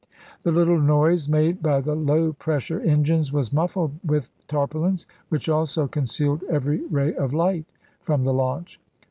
The little noise made by the low pressure engines was muffled with tarpaulins, which also concealed every ray of light from the launch.